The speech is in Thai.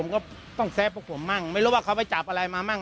ผมก็ต้องแซ่บกับผมบ้างไม่รู้ว่าเขาไปจับอะไรมาบ้าง